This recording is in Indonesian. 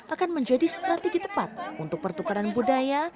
akan menjadi strategi tepat untuk pertukaran budaya